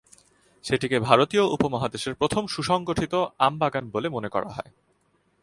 সেটিকে ভারতীয় উপমহাদেশের প্রথম সুসংগঠিত আমবাগান বলে মনে করা হয়।